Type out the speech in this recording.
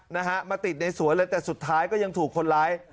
นะฮะมาติดในสวนเลยแต่สุดท้ายก็ยังถูกคนร้าย